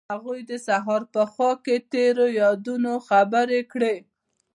هغوی د سهار په خوا کې تیرو یادونو خبرې کړې.